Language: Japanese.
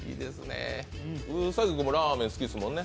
兎君もラーメン好きですもんね？